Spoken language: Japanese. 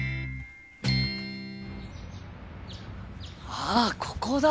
あっここだ！